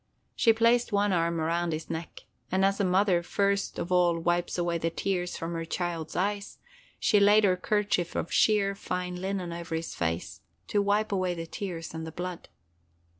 She placed one arm around his neck, and as a mother first of all wipes away the tears from her child's eyes, she laid her kerchief of sheer fine linen over his face, to wipe away the tears and the blood.